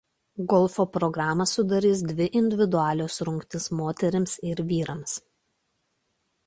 Golfo programą sudarys dvi individualios rungtys moterims ir vyrams.